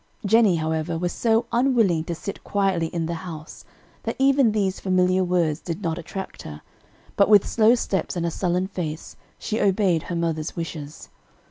Jennie, however, was so unwilling to sit quietly in the house that even these familiar words did not attract her, but with slow steps and a sullen face, she obeyed her mother's wishes.